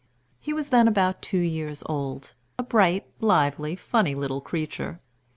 He was then about two years old, a bright, lively, funny little creature.